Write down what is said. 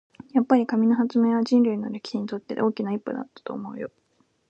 やっぱり、紙の発明は人類の歴史にとって大きな一歩だったと思うよ。